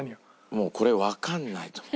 もうこれわかんないと思う。